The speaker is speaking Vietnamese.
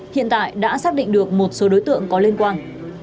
hiện tại đã xác định được một số đối tượng có liên quan